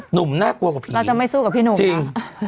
หนุ่มน่ากลัวกว่าพี่เราจะไม่สู้กับพี่หนุ่มจริง